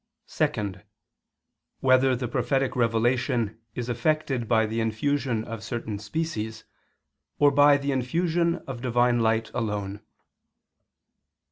(2) Whether the prophetic revelation is effected by the infusion of certain species, or by the infusion of Divine light alone?